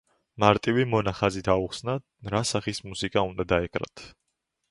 მარტივი მონახაზით აუხსნა რა სახის მუსიკა უნდა დაეკრათ.